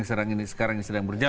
yang sekarang ini sedang berjalan